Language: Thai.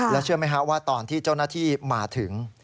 แล้วเชื่อไหมฮะว่าตอนที่เจ้าหน้าที่มาถึง